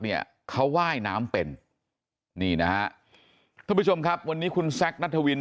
เนี่ยเขาว่ายน้ำเป็นนี่นะฮะท่านผู้ชมครับวันนี้คุณแซคนัทวิน